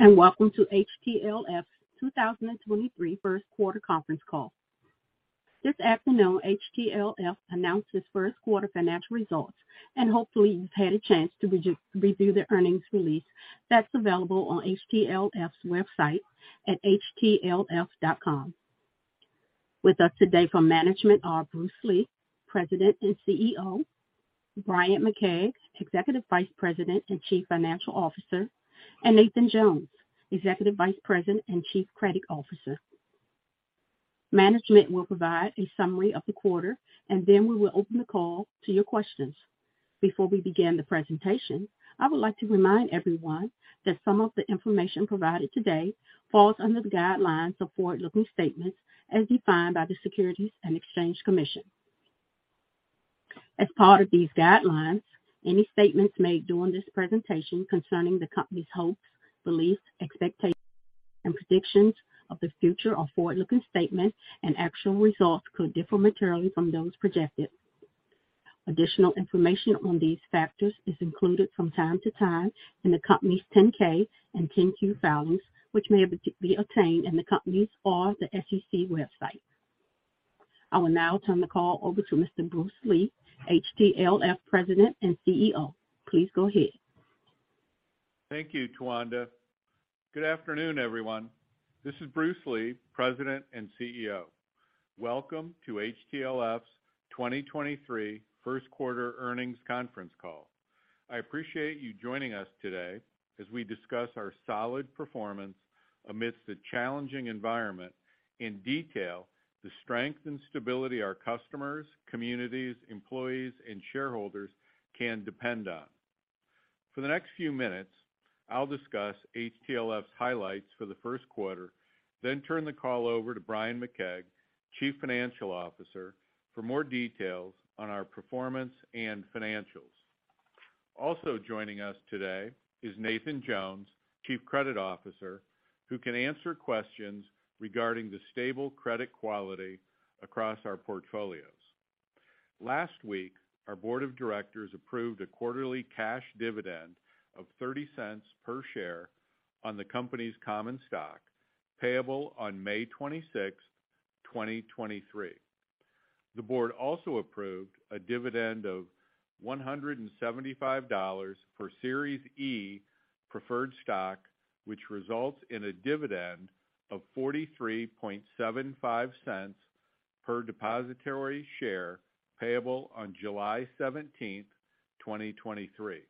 Welcome to HTLF 2023 first quarter conference call. This afternoon, HTLF announced its first quarter financial results, and hopefully you've had a chance to review the earnings release that's available on HTLF's website at htlf.com. With us today from management are Bruce Lee, President and CEO, Bryan McKeag, Executive Vice President and Chief Financial Officer, and Nathan Jones, Executive Vice President and Chief Credit Officer. Management will provide a summary of the quarter, and then we will open the call to your questions. Before we begin the presentation, I would like to remind everyone that some of the information provided today falls under the guidelines of forward-looking statements as defined by the Securities and Exchange Commission. As part of these guidelines, any statements made during this presentation concerning the company's hopes, beliefs, expectations, and predictions of the future are forward-looking statements, and actual results could differ materially from those projected. Additional information on these factors is included from time to time in the company's 10-K and 10-Q filings, which may be obtained in the company's or the SEC website. I will now turn the call over to Mr. Bruce Lee, HTLF President and CEO. Please go ahead. Thank you, Towanda. Good afternoon, everyone. This is Bruce Lee, President and CEO. Welcome to HTLF's 2023 first quarter earnings conference call. I appreciate you joining us today as we discuss our solid performance amidst a challenging environment in detail, the strength and stability our customers, communities, employees, and shareholders can depend on. For the next few minutes, I'll discuss HTLF's highlights for the first quarter, then turn the call over to Bryan McKeag, Chief Financial Officer, for more details on our performance and financials. Also joining us today is Nathan Jones, Chief Credit Officer, who can answer questions regarding the stable credit quality across our portfolios. Last week, our board of directors approved a quarterly cash dividend of $0.30 per share on the company's common stock, payable on May 26th, 2023. The board also approved a dividend of $175 for Series E Preferred Stock, which results in a dividend of $0.4375 per depositary share, payable on July 17, 2023.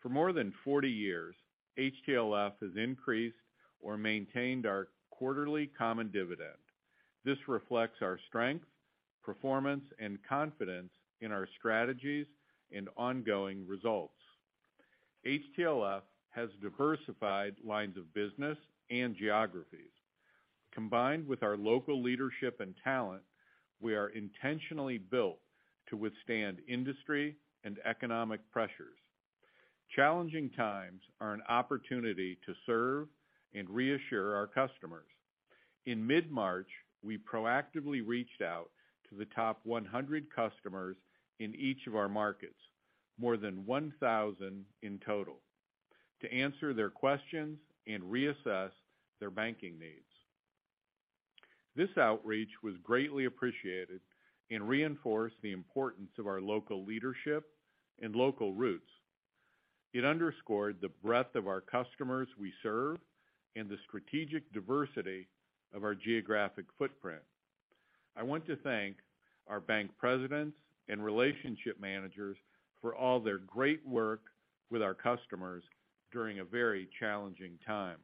For more than 40 years, HTLF has increased or maintained our quarterly common dividend. This reflects our strength, performance, and confidence in our strategies and ongoing results. HTLF has diversified lines of business and geographies. Combined with our local leadership and talent, we are intentionally built to withstand industry and economic pressures. Challenging times are an opportunity to serve and reassure our customers. In mid-March, we proactively reached out to the top 100 customers in each of our markets, more than 1,000 in total, to answer their questions and reassess their banking needs. This outreach was greatly appreciated and reinforced the importance of our local leadership and local roots. It underscored the breadth of our customers we serve and the strategic diversity of our geographic footprint. I want to thank our bank presidents and relationship managers for all their great work with our customers during a very challenging time.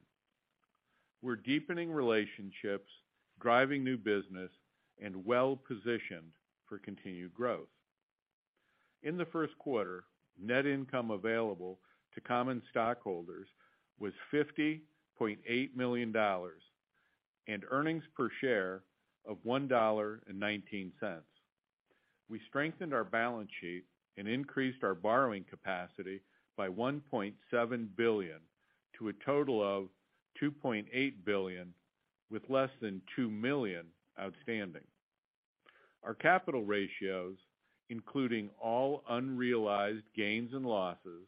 We're deepening relationships, driving new business, and well-positioned for continued growth. In the first quarter, net income available to common stockholders was $50.8 million and earnings per share of $1.19. We strengthened our balance sheet and increased our borrowing capacity by $1.7 billion to a total of $2.8 billion, with less than $2 million outstanding. Our capital ratios, including all unrealized gains and losses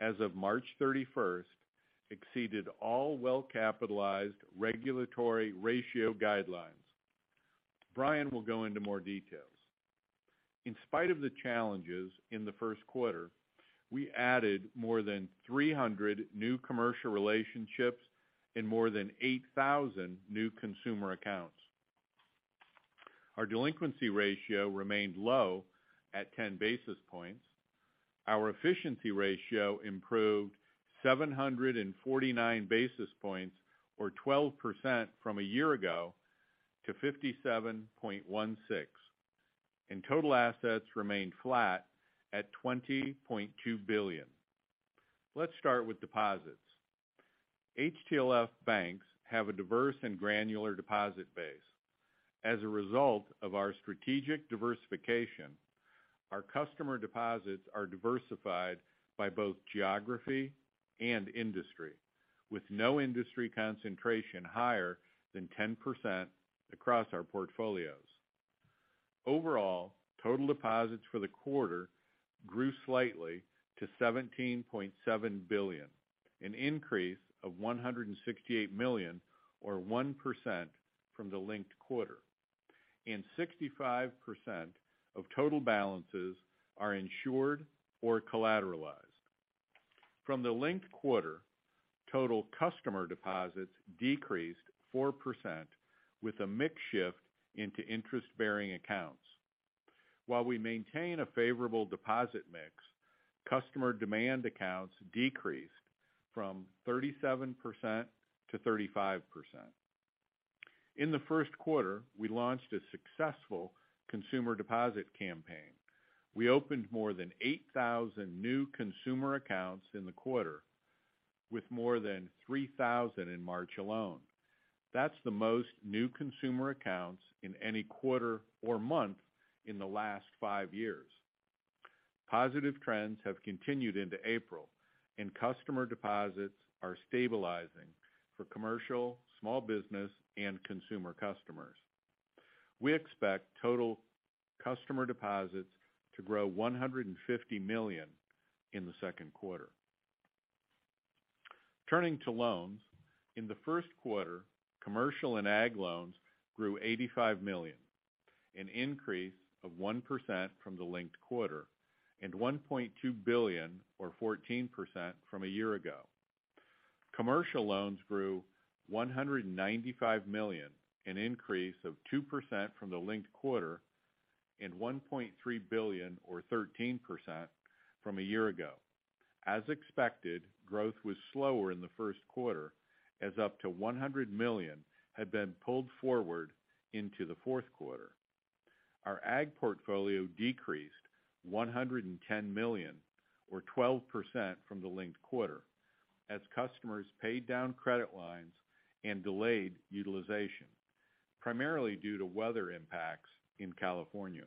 as of March 31st, exceeded all well-capitalized regulatory ratio guidelines. Bryan will go into more details. In spite of the challenges in the first quarter, we added more than 300 new commercial relationships and more than 8,000 new consumer accounts. Our delinquency ratio remained low at 10 basis points. Our efficiency ratio improved 749 basis points or 12% from a year ago to 57.16, and total assets remained flat at $20.2 billion. Let's start with deposits. HTLF banks have a diverse and granular deposit base. As a result of our strategic diversification, our customer deposits are diversified by both geography and industry, with no industry concentration higher than 10% across our portfolios. Overall, total deposits for the quarter grew slightly to $17.7 billion, an increase of $168 million or 1% from the linked quarter. 65% of total balances are insured or collateralized. From the linked quarter, total customer deposits decreased 4% with a mix shift into interest-bearing accounts. While we maintain a favorable deposit mix, customer demand accounts decreased from 37%-35%. In the first quarter, we launched a successful consumer deposit campaign. We opened more than 8,000 new consumer accounts in the quarter, with more than 3,000 in March alone. That's the most new consumer accounts in any quarter or month in the last five years. Positive trends have continued into April, and customer deposits are stabilizing for commercial, small business, and consumer customers. We expect total customer deposits to grow $150 million in the second quarter. Turning to loans. In the first quarter, commercial and ag loans grew $85 million, an increase of 1% from the linked quarter, and $1.2 billion or 14% from a year ago. Commercial loans grew $195 million, an increase of 2% from the linked quarter and $1.3 billion or 13% from a year ago. As expected, growth was slower in the first quarter as up to $100 million had been pulled forward into the fourth quarter. Our ag portfolio decreased $110 million or 12% from the linked quarter as customers paid down credit lines and delayed utilization, primarily due to weather impacts in California.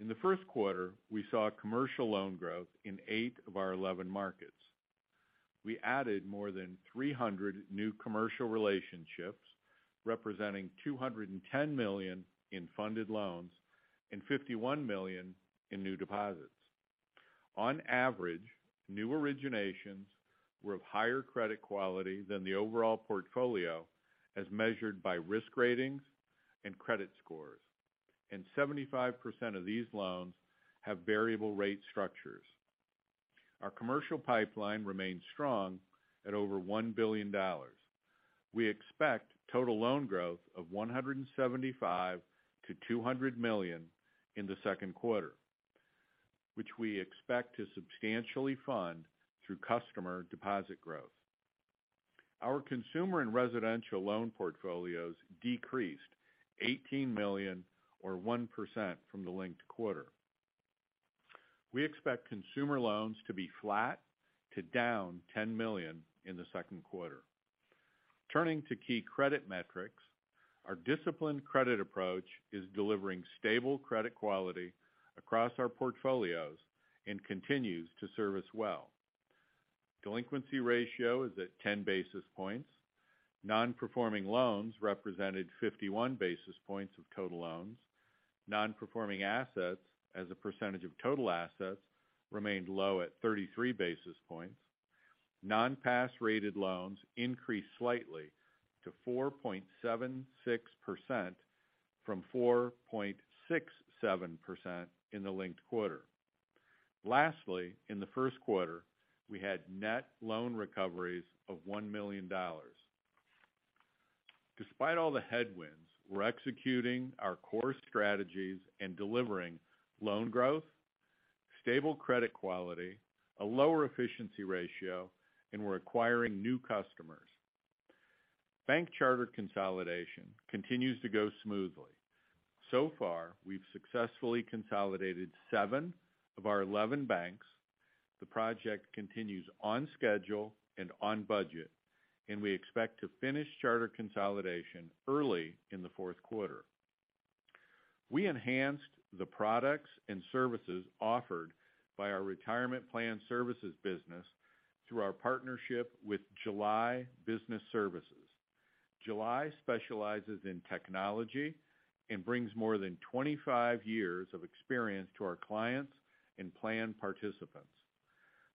In the first quarter, we saw commercial loan growth in eight of our 11 markets. We added more than 300 new commercial relationships, representing $210 million in funded loans and $51 million in new deposits. On average, new originations were of higher credit quality than the overall portfolio as measured by risk ratings and credit scores. 75% of these loans have variable rate structures. Our commercial pipeline remains strong at over $1 billion. We expect total loan growth of $175 million-$200 million in the second quarter, which we expect to substantially fund through customer deposit growth. Our consumer and residential loan portfolios decreased $18 million or 1% from the linked quarter. We expect consumer loans to be flat to down $10 million in the second quarter. Turning to key credit metrics. Our disciplined credit approach is delivering stable credit quality across our portfolios and continues to serve us well. Delinquency ratio is at 10 basis points. Non-performing loans represented 51 basis points of total loans. Non-performing assets as a percentage of total assets remained low at 33 basis points. Non-pass rated loans increased slightly to 4.76% from 4.67% in the linked quarter. Lastly, in the first quarter, we had net loan recoveries of $1 million. Despite all the headwinds, we're executing our core strategies and delivering loan growth, stable credit quality, a lower efficiency ratio, and we're acquiring new customers. Bank charter consolidation continues to go smoothly. Far, we've successfully consolidated seven of our 11 banks. The project continues on schedule and on budget, we expect to finish charter consolidation early in the fourth quarter. We enhanced the products and services offered by our retirement plan services business through our partnership with July Business Services. July specializes in technology and brings more than 25 years of experience to our clients and plan participants.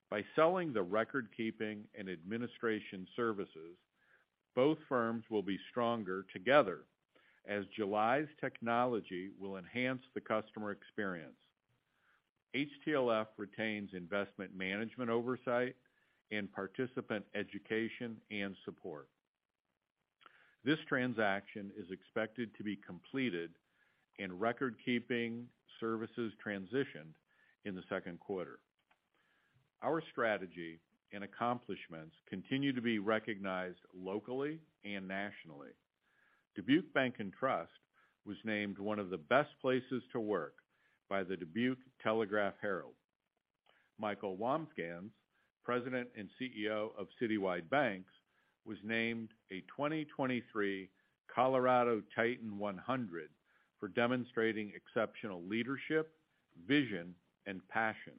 By selling the record-keeping and administration services, both firms will be stronger together as July's technology will enhance the customer experience. HTLF retains investment management oversight and participant education and support. This transaction is expected to be completed and record-keeping services transitioned in the second quarter. Our strategy and accomplishments continue to be recognized locally and nationally. Dubuque Bank and Trust was named one of the best places to work by the Dubuque Telegraph Herald. Michael Wambsgans, President and CEO of Citywide Banks, was named a 2023 Colorado Titan 100 for demonstrating exceptional leadership, vision, and passion.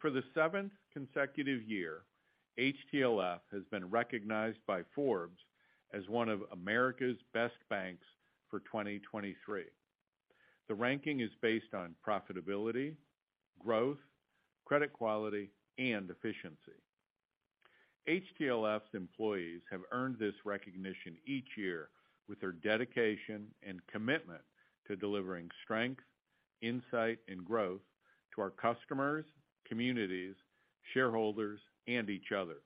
For the seventh consecutive year, HTLF has been recognized by Forbes as one of America's Best Banks for 2023. The ranking is based on profitability, growth, credit quality, and efficiency. HTLF's employees have earned this recognition each year with their dedication and commitment to delivering strength, insight and growth to our customers, communities, shareholders and each other.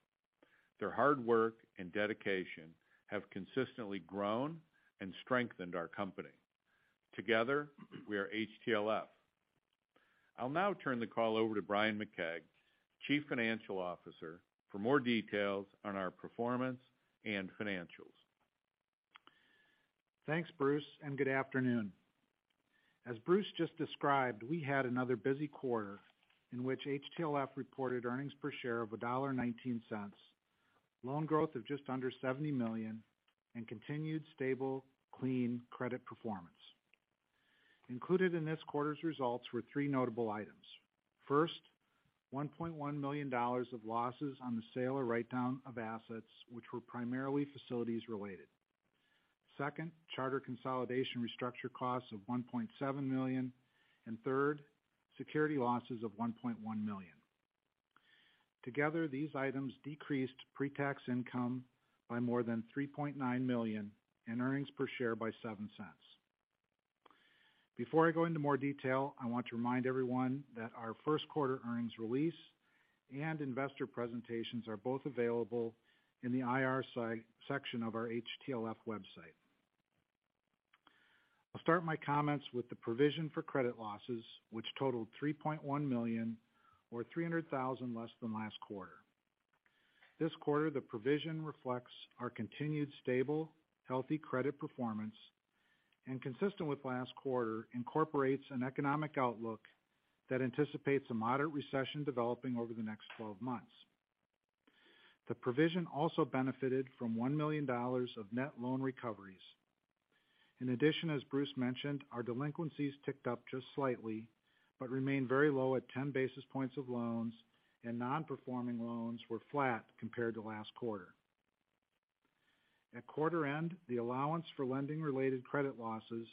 Their hard work and dedication have consistently grown and strengthened our company. Together, we are HTLF. I'll now turn the call over to Bryan McKeag, Chief Financial Officer, for more details on our performance and financials. Thanks, Bruce. Good afternoon. As Bruce just described, we had another busy quarter in which HTLF reported earnings per share of $1.19, loan growth of just under $70 million, and continued stable, clean credit performance. Included in this quarter's results were three notable items. First, $1.1 million of losses on the sale or write-down of assets which were primarily facilities related. Second, charter consolidation restructure costs of $1.7 million. Third, security losses of $1.1 million. Together, these items decreased pre-tax income by more than $3.9 million and earnings per share by $0.07. Before I go into more detail, I want to remind everyone that our first quarter earnings release and investor presentations are both available in the IR section of our HTLF website. I'll start my comments with the provision for credit losses, which totaled $3.1 million, or $300,000 less than last quarter. This quarter, the provision reflects our continued stable, healthy credit performance and consistent with last quarter, incorporates an economic outlook that anticipates a moderate recession developing over the next 12 months. The provision also benefited from $1 million of net loan recoveries. As Bruce mentioned, our delinquencies ticked up just slightly, but remained very low at 10 basis points of loans, and non-performing loans were flat compared to last quarter. At quarter end, the allowance for lending related credit losses,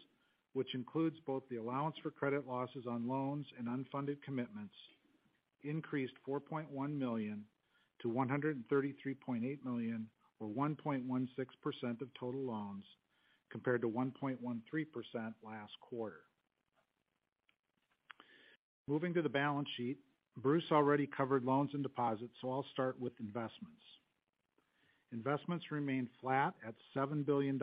which includes both the allowance for credit losses on loans and unfunded commitments, increased $4.1 million-$133.8 million, or 1.16% of total loans, compared to 1.13% last quarter. Moving to the balance sheet. Bruce already covered loans and deposits, I'll start with investments. Investments remained flat at $7 billion,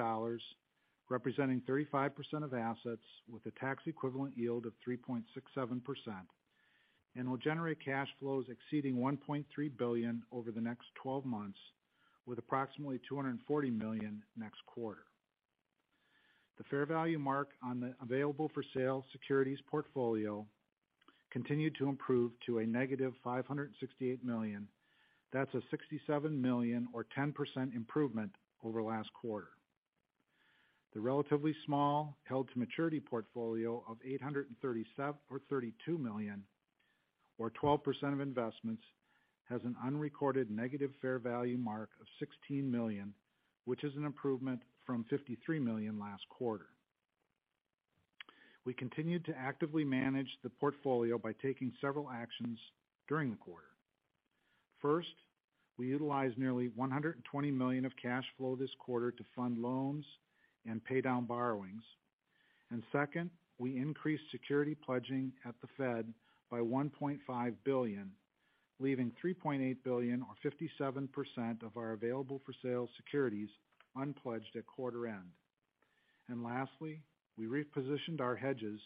representing 35% of assets with a tax equivalent yield of 3.67% and will generate cash flows exceeding $1.3 billion over the next 12 months with approximately $240 million next quarter. The fair value mark on the available for sale securities portfolio continued to improve to a negative $568 million. That's a $67 million or 10% improvement over last quarter. The relatively small held to maturity portfolio of $832 million, or 12% of investments, has an unrecorded negative fair value mark of $16 million, which is an improvement from $53 million last quarter. We continued to actively manage the portfolio by taking several actions during the quarter. First, we utilized nearly $120 million of cash flow this quarter to fund loans and pay down borrowings. Second, we increased security pledging at the Fed by $1.5 billion, leaving $3.8 billion or 57% of our available for sale securities unpledged at quarter end. Lastly, we repositioned our hedges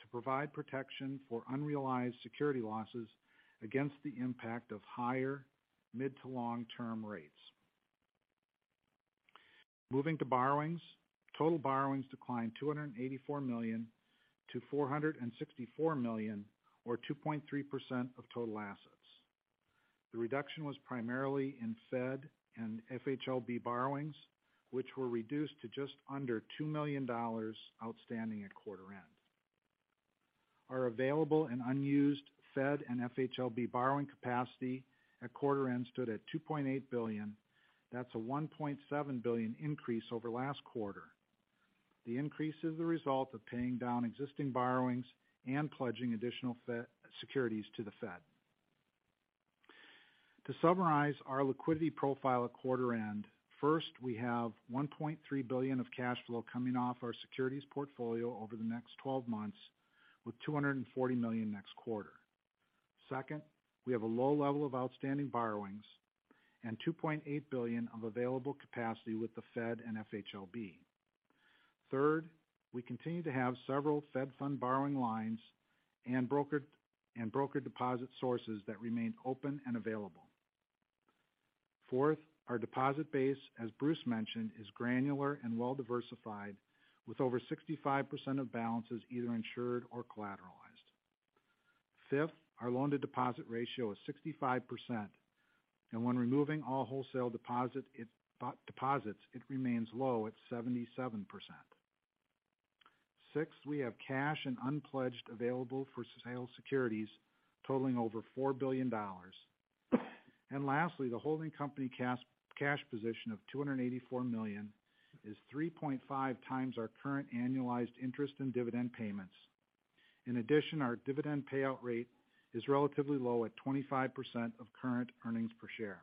to provide protection for unrealized security losses against the impact of higher mid to long-term rates. Moving to borrowings. Total borrowings declined $284 million-$464 million or 2.3% of total assets. The reduction was primarily in Fed and FHLB borrowings, which were reduced to just under $2 million outstanding at quarter end. Our available and unused Fed and FHLB borrowing capacity at quarter end stood at $2.8 billion. That's a $1.7 billion increase over last quarter. The increase is the result of paying down existing borrowings and pledging additional securities to the Fed. To summarize our liquidity profile at quarter end. First, we have $1.3 billion of cash flow coming off our securities portfolio over the next 12 months with $240 million next quarter. Second, we have a low level of outstanding borrowings and $2.8 billion of available capacity with the Fed and FHLB. Third, we continue to have several Fed Fund borrowing lines and broker deposit sources that remain open and available. Fourth, our deposit base, as Bruce mentioned, is granular and well diversified with over 65% of balances either insured or collateralized. Fifth, our loan to deposit ratio is 65%, and when removing all wholesale deposits, it remains low at 77%. Sixth, we have cash and unpledged available for sale securities totaling over $4 billion. Lastly, the holding company cash position of $284 million is 3.5 times our current annualized interest and dividend payments. In addition, our dividend payout rate is relatively low at 25% of current earnings per share.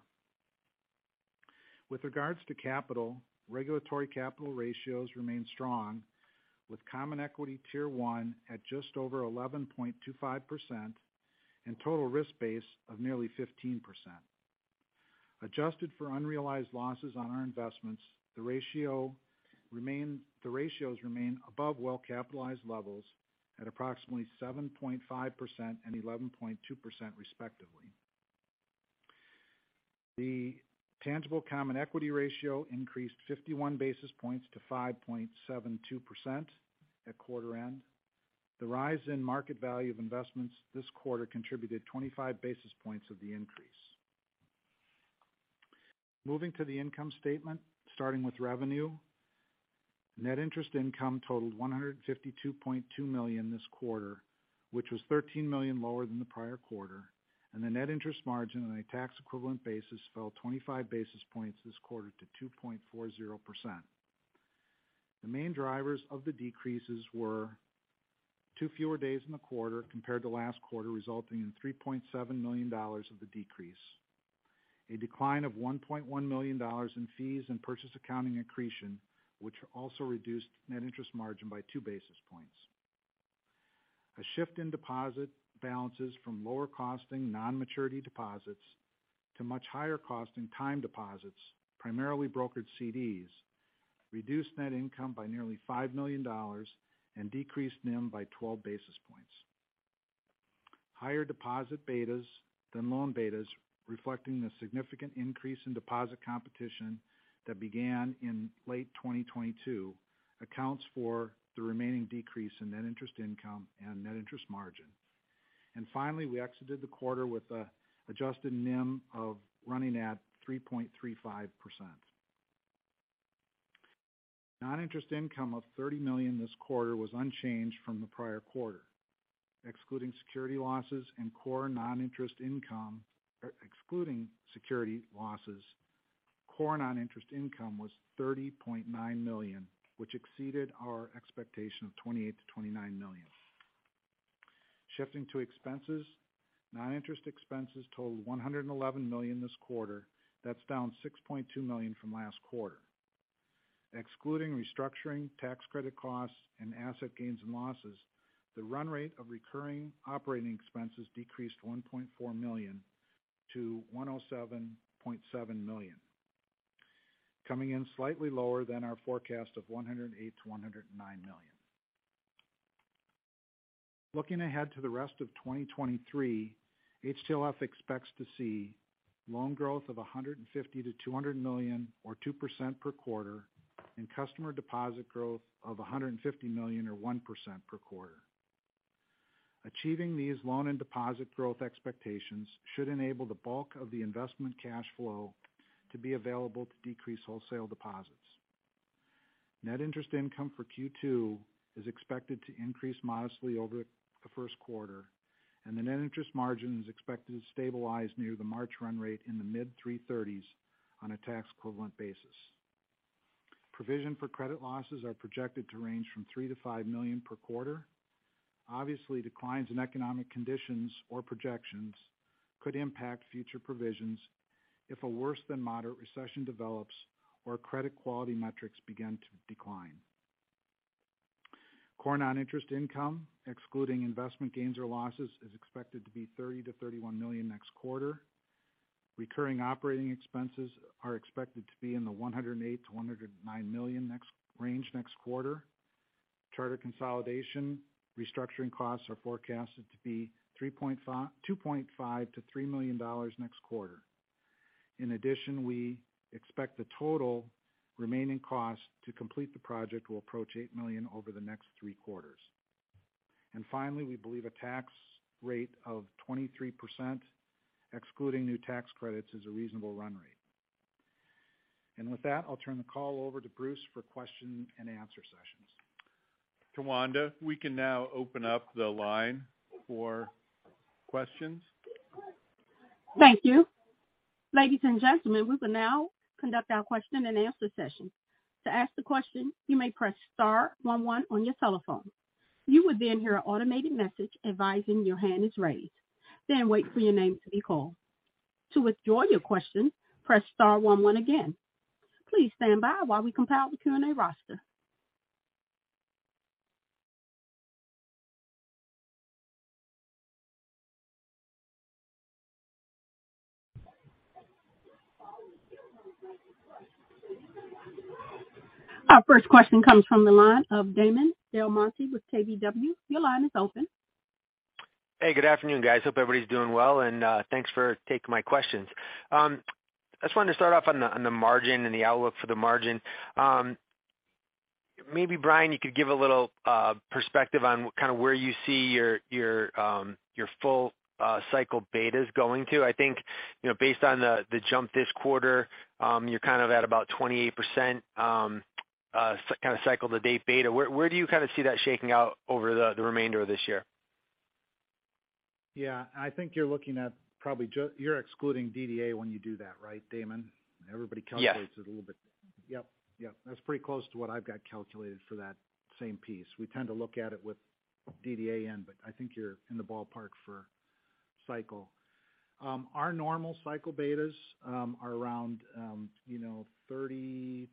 With regards to capital, regulatory capital ratios remain strong, with Common Equity Tier 1 at just over 11.25% and total risk-based of nearly 15%. Adjusted for unrealized losses on our investments, the ratios remain above well-capitalized levels at approximately 7.5% and 11.2% respectively. The Tangible Common Equity Ratio increased 51 basis points to 5.72% at quarter end. The rise in market value of investments this quarter contributed 25 basis points of the increase. Moving to the income statement, starting with revenue. Net interest income totaled $152.2 million this quarter, which was $13 million lower than the prior quarter, and the net interest margin on a tax equivalent basis fell 25 basis points this quarter to 2.40%. The main drivers of the decreases were two fewer days in the quarter compared to last quarter, resulting in $3.7 million of the decrease. A decline of $1.1 million in fees and purchase accounting accretion, which also reduced net interest margin by 2 basis points. A shift in deposit balances from lower costing non-maturity deposits to much higher cost and time deposits, primarily brokered CDs, reduced net income by nearly $5 million and decreased NIM by 12 basis points. Higher deposit betas than loan betas, reflecting the significant increase in deposit competition that began in late 2022, accounts for the remaining decrease in net interest income and net interest margin. Finally, we exited the quarter with a adjusted NIM of running at 3.35%. Non-interest income of $30 million this quarter was unchanged from the prior quarter. Excluding security losses, core non-interest income was $30.9 million, which exceeded our expectation of $28 million-$29 million. Shifting to expenses. Non-interest expenses totaled $111 million this quarter. That's down $6.2 million from last quarter. Excluding restructuring, tax credit costs, and asset gains and losses, the run rate of recurring operating expenses decreased $1.4 million to $107.7 million. Coming in slightly lower than our forecast of $108 million-$109 million. Looking ahead to the rest of 2023, HTLF expects to see loan growth of $150 million-$200 million or 2% per quarter and customer deposit growth of $150 million or 1% per quarter. Achieving these loan and deposit growth expectations should enable the bulk of the investment cash flow to be available to decrease wholesale deposits. Net interest income for Q2 is expected to increase modestly over the first quarter, and the net interest margin is expected to stabilize near the March run rate in the mid-three thirties on a tax equivalent basis. Provision for credit losses are projected to range from $3 million-$5 million per quarter. Obviously, declines in economic conditions or projections could impact future provisions if a worse than moderate recession develops or credit quality metrics begin to decline. Core non-interest income, excluding investment gains or losses, is expected to be $30 million-$31 million next quarter. Recurring operating expenses are expected to be in the $108 million-$109 million range next quarter. Charter consolidation restructuring costs are forecasted to be $2.5 million-$3 million next quarter. We expect the total remaining cost to complete the project will approach $8 million over the next three quarters. Finally, we believe a tax rate of 23%, excluding new tax credits, is a reasonable run rate. With that, I'll turn the call over to Bruce for question and answer sessions. Towanda, we can now open up the line for questions. Thank you. Ladies and gentlemen, we will now conduct our question and answer session. To ask the question, you may press star one one on your telephone. You would hear an automated message advising your hand is raised. Wait for your name to be called. To withdraw your question, press star one one again. Please stand by while we compile the Q&A roster. Our first question comes from the line of Damon DelMonte with KBW. Your line is open. Hey, good afternoon, guys. Hope everybody's doing well, and thanks for taking my questions. I just wanted to start off on the margin and the outlook for the margin. Maybe Bryan, you could give a little perspective on kind of where you see your full cycle betas going to. I think, you know, based on the jump this quarter, you're kind of at about 28% kind of cycle to date beta. Where do you kind of see that shaking out over the remainder of this year? Yeah. I think you're looking at probably you're excluding DDA when you do that, right, Damon? Yes. -it a little bit. Yep. Yep. That's pretty close to what I've got calculated for that same piece. We tend to look at it with DDA in, but I think you're in the ballpark for cycle. Our normal cycle betas are around, you know, 30%-35%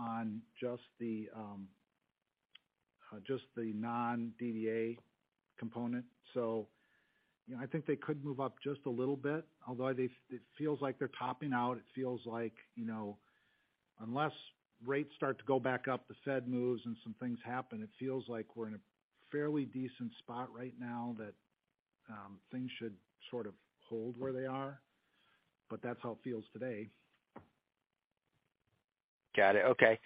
on just the just the non-DDA component. You know, I think they could move up just a little bit, although it feels like they're topping out. It feels like, you know, unless rates start to go back up, the Fed moves, and some things happen, it feels like we're in a fairly decent spot right now that things should sort of hold where they are, but that's how it feels today. Got it. Okay.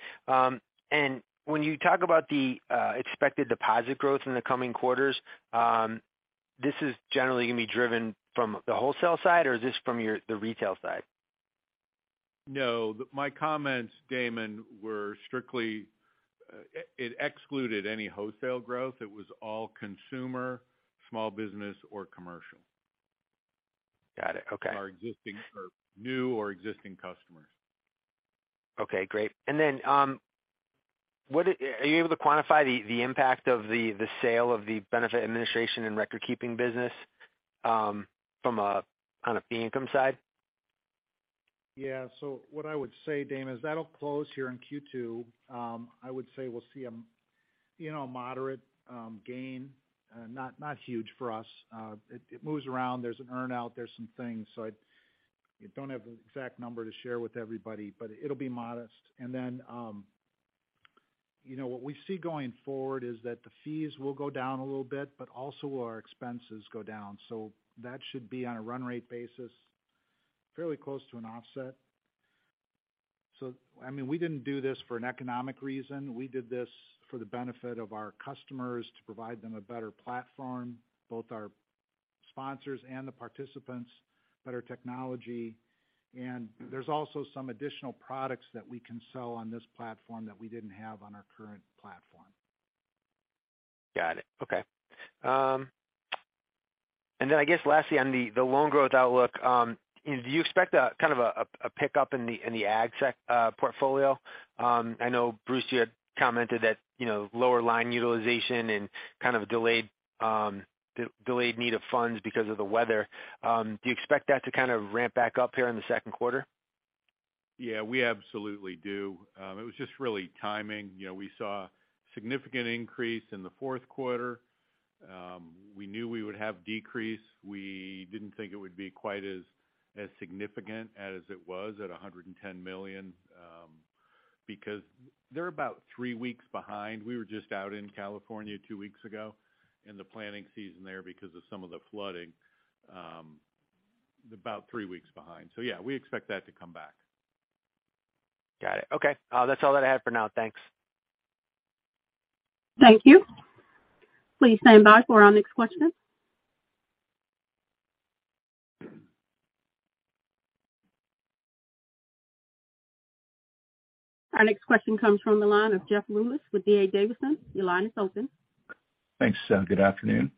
When you talk about the expected deposit growth in the coming quarters, this is generally gonna be driven from the wholesale side, or is this from the retail side? No. My comments, Damon, were strictly, it excluded any wholesale growth. It was all consumer, small business or commercial. Got it. Okay. Our existing or new or existing customers. Okay, great. Are you able to quantify the impact of the sale of the benefit administration and record-keeping business on a fee income side? Yeah. What I would say, Damon, is that'll close here in Q2. I would say we'll see a, you know, moderate gain, not huge for us. It moves around. There's an earn-out, there's some things. I don't have the exact number to share with everybody, but it'll be modest. Then, you know, what we see going forward is that the fees will go down a little bit but also will our expenses go down. That should be on a run rate basis, fairly close to an offset. I mean, we didn't do this for an economic reason. We did this for the benefit of our customers, to provide them a better platform, both our sponsors and the participants, better technology. There's also some additional products that we can sell on this platform that we didn't have on our current platform. Got it. Okay. I guess lastly, on the loan growth outlook, do you expect a pick-up in the portfolio? I know, Bruce, you had commented that, you know, lower line utilization and kind of delayed need of funds because of the weather. Do you expect that to kind of ramp back up here in the second quarter? We absolutely do. It was just really timing. You know, we saw significant increase in the fourth quarter. We knew we would have decrease. We didn't think it would be quite as significant as it was at $110 million because they're about three weeks behind. We were just out in California two weeks ago in the planting season there because of some of the flooding, about three weeks behind. We expect that to come back. Got it. Okay. That's all that I have for now. Thanks. Thank you. Please stand by for our next questioner. Our next question comes from the line of Jeff Rulis with D.A. Davidson. Your line is open. Thanks. Good afternoon.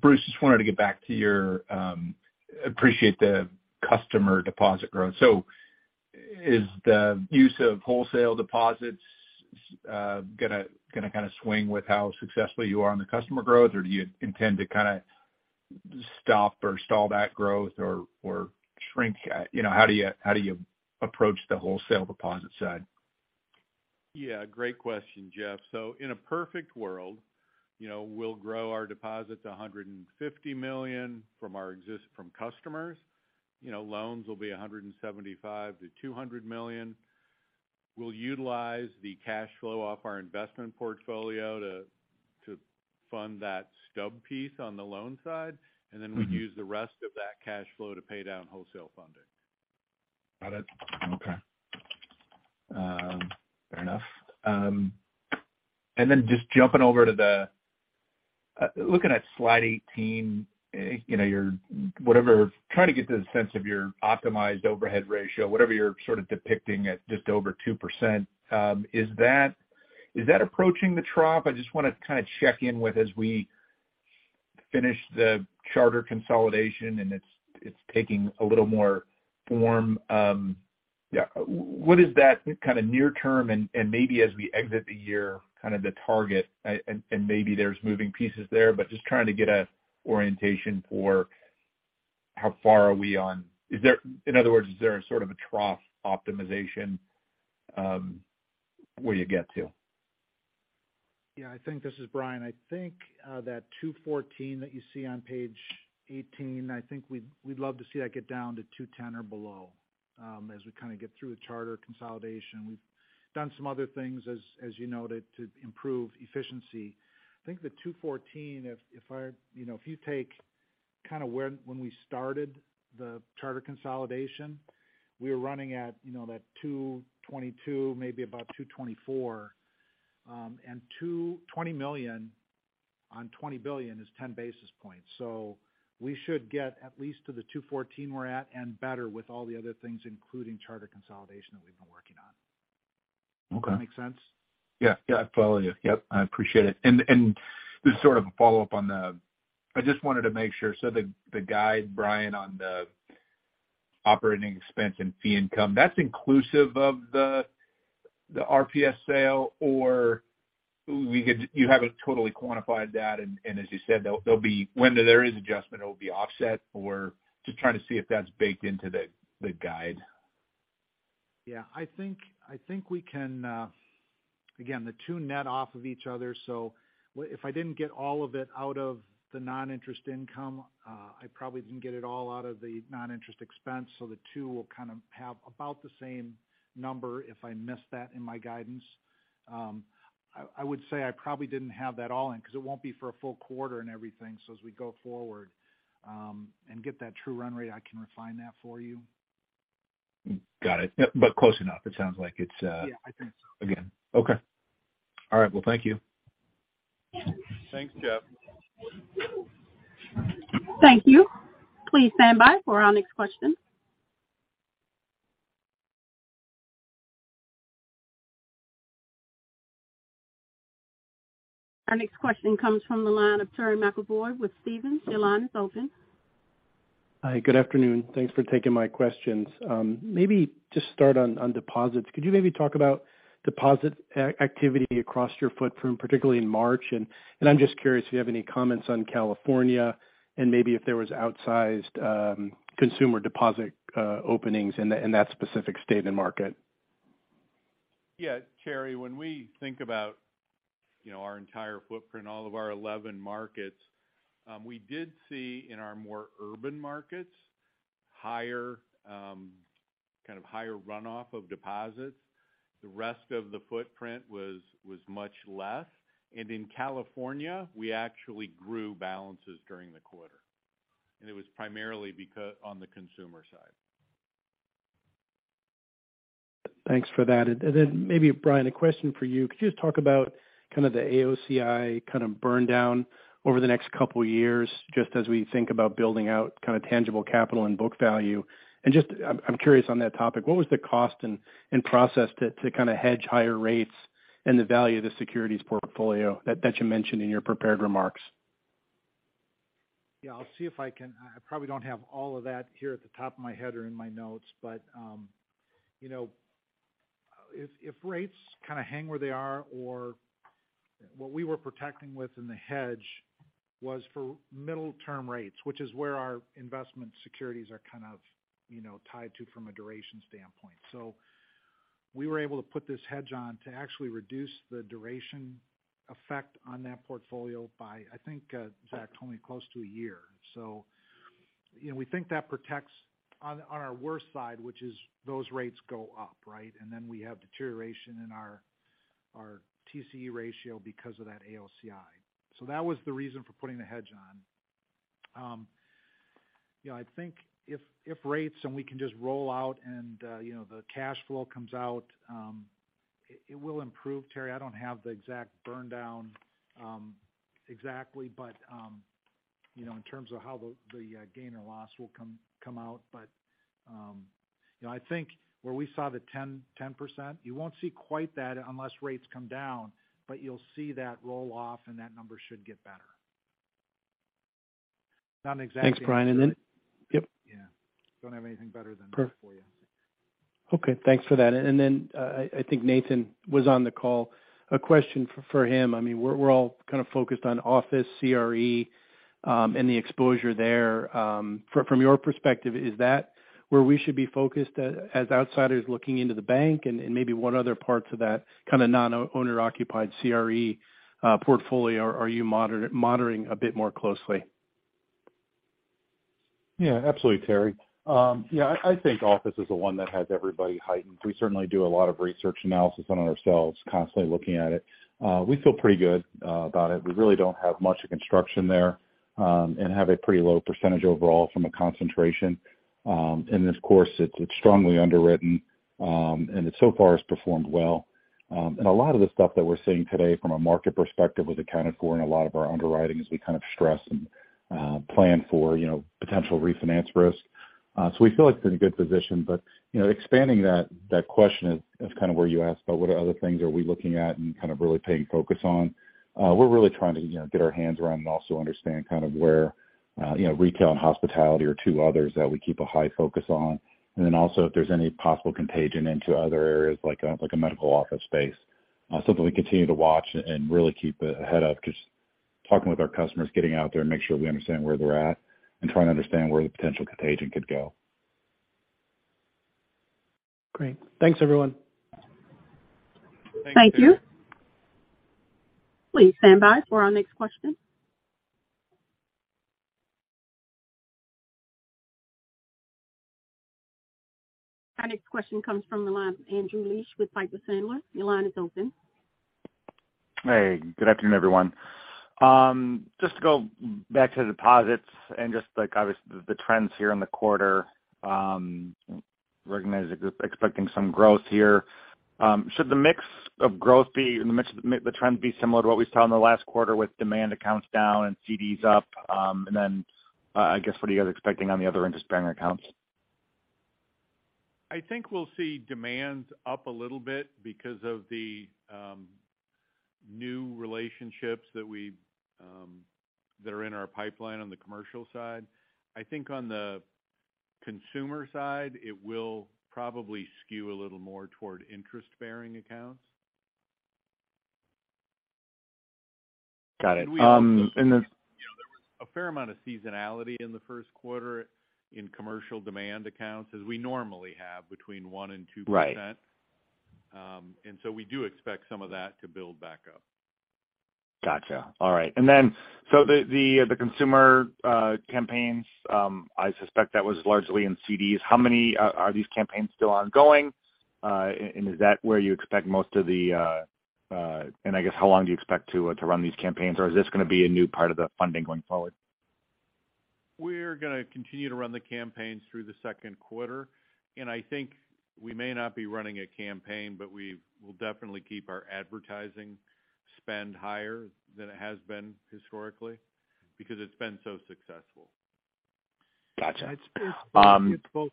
Bruce, just wanted to get back to your, appreciate the customer deposit growth. Is the use of wholesale deposits, gonna kind of swing with how successful you are on the customer growth? Do you intend to kind of stop or stall that growth or shrink? You know, how do you, how do you approach the wholesale deposit side? Yeah, great question, Jeff. In a perfect world, you know, we'll grow our deposits $150 million from customers. You know, loans will be $175 million-$200 million. We'll utilize the cash flow off our investment portfolio to fund that stub piece on the loan side. Mm-hmm. We'd use the rest of that cash flow to pay down wholesale funding. Got it. Okay. Fair enough. Then just jumping over to the Looking at slide 18, you know, your whatever, trying to get the sense of your optimized overhead ratio, whatever you're sort of depicting at just over 2%, is that approaching the trough? I just wanna kind of check in with as we finish the charter consolidation, and it's taking a little more form. Yeah, what is that kind of near term and maybe as we exit the year, kind of the target? Maybe there's moving pieces there, but just trying to get a orientation for how far are we on. Is there in other words, is there a sort of a trough optimization, where you get to? Yeah, I think this is Bryan. I think that 214 that you see on page 18, I think we'd love to see that get down to 210 or below, as we kinda get through the charter consolidation. We've done some other things as you noted, to improve efficiency. I think the 214, if I, you know, if you take kind of when we started the charter consolidation, we were running at, you know, that 222, maybe about 224. $220 million on $20 billion is 10 basis points. We should get at least to the 214 we're at and better with all the other things, including charter consolidation that we've been working on. Okay. Make sense? Yeah, yeah, I follow you. Yep, I appreciate it. Just sort of a follow-up on the, I just wanted to make sure. The guide, Bryan, on the operating expense and fee income, that's inclusive of the RPS sale or we could, you haven't totally quantified that, and as you said, there'll be, when there is adjustment, it will be offset? Just trying to see if that's baked into the guide. Yeah. I think we can, again, the two net off of each other, if I didn't get all of it out of the non-interest income, I probably didn't get it all out of the non-interest expense. The two will kind of have about the same number if I missed that in my guidance. I would say I probably didn't have that all in because it won't be for a full quarter and everything. As we go forward, and get that true run rate, I can refine that for you. Got it. Yep. close enough, it sounds like it's. Yeah, I think so. Again. Okay. All right, well, thank you. Thanks, Jeff. Thank you. Please stand by for our next question. Our next question comes from the line of Terry McEvoy with Stephens. Your line is open. Hi, good afternoon. Thanks for taking my questions. maybe just start on deposits. Could you maybe talk about deposit activity across your footprint, particularly in March? I'm just curious if you have any comments on California and maybe if there was outsized consumer deposit openings in that specific state and market. Yeah, Terry, when we think about, you know, our entire footprint, all of our 11 markets, we did see in our more urban markets higher, kind of higher runoff of deposits. The rest of the footprint was much less. In California, we actually grew balances during the quarter. It was primarily on the consumer side. Thanks for that. Maybe Bryan, a question for you. Could you just talk about kind of the AOCI kind of burn down over the next couple years, just as we think about building out kind of tangible capital and book value? Just, I'm curious on that topic, what was the cost and process to kind of hedge higher rates and the value of the securities portfolio that you mentioned in your prepared remarks? Yeah, I'll see if I can... I probably don't have all of that here at the top of my head or in my notes. You know, if rates kind of hang where they are or what we were protecting with in the hedge was for middle term rates, which is where our investment securities are kind of, you know, tied to from a duration standpoint. We were able to put this hedge on to actually reduce the duration effect on that portfolio by, I think, Zach told me close to a year. You know, we think that protects on our worst side, which is those rates go up, right? Then we have deterioration in our TCE ratio because of that AOCI. That was the reason for putting the hedge on. You know, I think if rates and we can just roll out and, you know, the cash flow comes out, it will improve, Terry. I don't have the exact burn down, exactly, but, you know, in terms of how the gain or loss will come out. You know, I think where we saw the 10%, you won't see quite that unless rates come down, but you'll see that roll off, and that number should get better. Not an exact answer. Thanks, Bryan.... yep. Yeah. Don't have anything better than that for you. Thanks for that. Then, I think Nathan was on the call. A question for him. I mean, we're all kind of focused on office CRE and the exposure there. From your perspective, is that where we should be focused as outsiders looking into the bank? And maybe what other parts of that kind of non-owner occupied CRE portfolio are you monitoring a bit more closely? Absolutely, Terry. I think office is the one that has everybody heightened. We certainly do a lot of research analysis on it ourselves, constantly looking at it. We feel pretty good about it. We really don't have much construction there, and have a pretty low percentage overall from a concentration. This course, it's strongly underwritten, and it so far has performed well. A lot of the stuff that we're seeing today from a market perspective was accounted for in a lot of our underwriting as we kind of stress and plan for, you know, potential refinance risk. We feel like it's in a good position. You know, expanding that question is kind of where you asked about what other things are we looking at and kind of really paying focus on. We're really trying to, you know, get our hands around and also understand kind of where, you know, retail and hospitality are two others that we keep a high focus on. Also if there's any possible contagion into other areas like a medical office space. We continue to watch and really keep a head up just talking with our customers, getting out there and make sure we understand where they're at and trying to understand where the potential contagion could go. Great. Thanks, everyone. Thank you. Please stand by for our next question. Our next question comes from the line of Andrew Liesch with Piper Sandler. Your line is open. Hey, good afternoon, everyone. Just to go back to deposits and just like the trends here in the quarter, recognize that you're expecting some growth here. Should the mix of growth be, the mix of the trends be similar to what we saw in the last quarter with demand accounts down and CDs up? I guess, what are you guys expecting on the other interest bearing accounts? I think we'll see demand up a little bit because of the new relationships that we, that are in our pipeline on the commercial side. I think on the consumer side, it will probably skew a little more toward interest-bearing accounts. Got it. You know, there was a fair amount of seasonality in the first quarter in commercial demand accounts, as we normally have between 1% and 2%. Right. We do expect some of that to build back up. Gotcha. All right. The consumer campaigns, I suspect that was largely in CDs. Are these campaigns still ongoing? Is that where you expect most of the. I guess how long do you expect to run these campaigns? Or is this gonna be a new part of the funding going forward? We're gonna continue to run the campaigns through the second quarter. I think we may not be running a campaign, but we will definitely keep our advertising spend higher than it has been historically because it's been so successful. Gotcha. It's both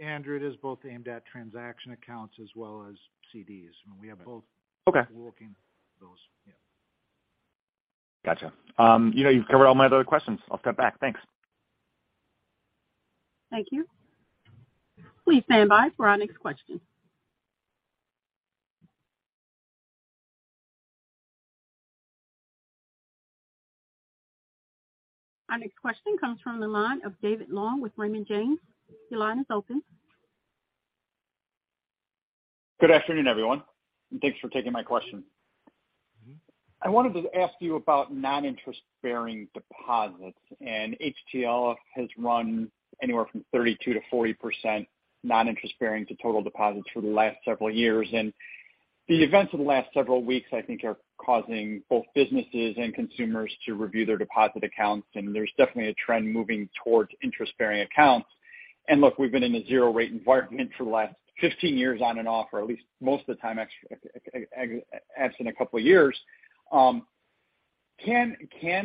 Andrew, it is both aimed at transaction accounts as well as CDs. I mean, we have both- Okay. Working those. Yeah. Gotcha. you know, you've covered all my other questions. I'll step back. Thanks. Thank you. Please stand by for our next question. Our next question comes from the line of David Long with Raymond James. Your line is open. Good afternoon, everyone, and thanks for taking my question. I wanted to ask you about non-interest-bearing deposits. HTLF has run anywhere from 32%-40% non-interest-bearing to total deposits for the last several years. The events of the last several weeks, I think, are causing both businesses and consumers to review their deposit accounts, and there's definitely a trend moving towards interest-bearing accounts. Look, we've been in a zero rate environment for the last 15 years on and off, or at least most of the time, absent a couple of years. Can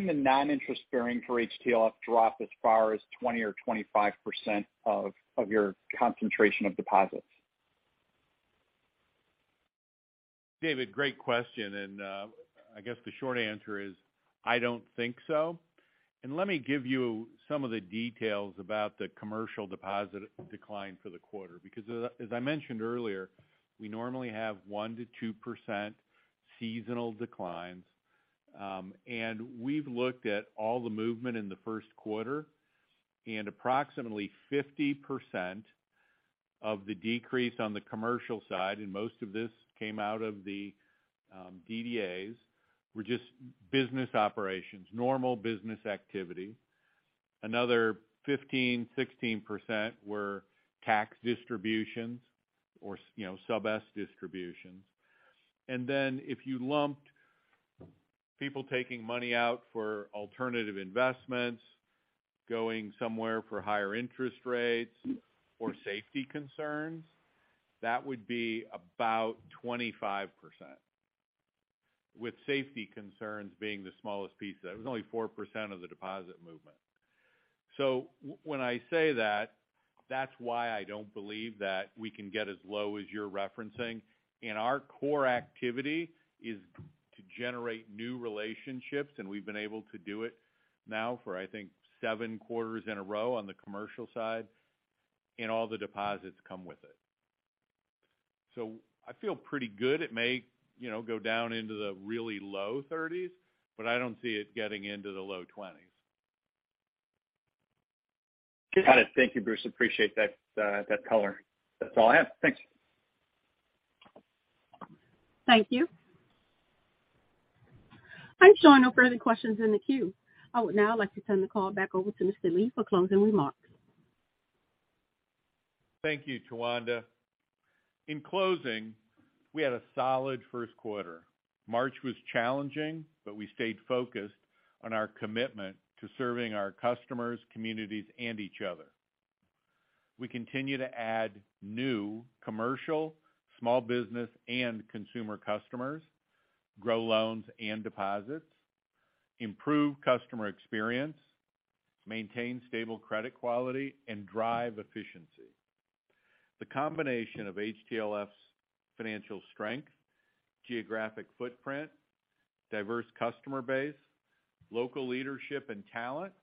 the non-interest-bearing for HTLF drop as far as 20% or 25% of your concentration of deposits? David, great question. I guess the short answer is, I don't think so. Let me give you some of the details about the commercial deposit decline for the quarter, because as I mentioned earlier, we normally have 1%-2% seasonal declines. We've looked at all the movement in the first quarter. Approximately 50% of the decrease on the commercial side, and most of this came out of the DDAs, were just business operations, normal business activity. Another 15%, 16% were tax distributions or, you know, Sub S distributions. Then if you lumped people taking money out for alternative investments, going somewhere for higher interest rates or safety concerns, that would be about 25%, with safety concerns being the smallest piece. That was only 4% of the deposit movement. When I say that's why I don't believe that we can get as low as you're referencing. Our core activity is to generate new relationships, and we've been able to do it now for, I think, seven quarters in a row on the commercial side. All the deposits come with it. I feel pretty good. It may, you know, go down into the really low 30s, but I don't see it getting into the low 20s. Got it. Thank you, Bruce. Appreciate that color. That's all I have. Thanks. Thank you. I'm showing no further questions in the queue. I would now like to turn the call back over to Mr. Lee for closing remarks. Thank you, Towanda. In closing, we had a solid first quarter. March was challenging, we stayed focused on our commitment to serving our customers, communities, and each other. We continue to add new commercial, small business, and consumer customers, grow loans and deposits, improve customer experience, maintain stable credit quality, and drive efficiency. The combination of HTLF's financial strength, geographic footprint, diverse customer base, local leadership, and talent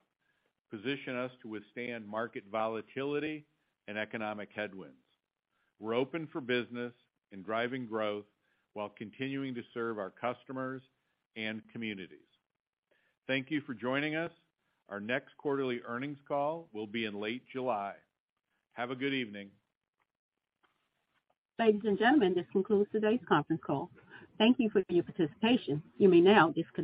position us to withstand market volatility and economic headwinds. We're open for business and driving growth while continuing to serve our customers and communities. Thank you for joining us. Our next quarterly earnings call will be in late July. Have a good evening. Ladies and gentlemen, this concludes today's conference call. Thank you for your participation. You may now disconnect.